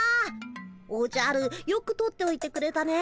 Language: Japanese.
おじゃるよく取っておいてくれたね。